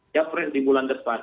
ya perintah bulan depan